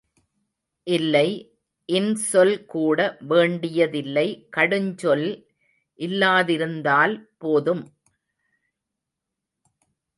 இல்லை இன்சொல்கூட வேண்டியதில்லை கடுஞ்சொல் இல்லாதிருந்தால் போதும்.